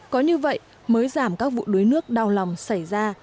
có như vậy mới giảm các vụ đuối nước đau lòng xảy ra